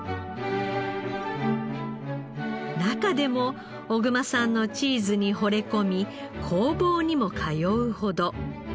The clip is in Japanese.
中でも小熊さんのチーズにほれ込み工房にも通うほど。